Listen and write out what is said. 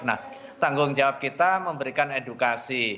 nah tanggung jawab kita memberikan edukasi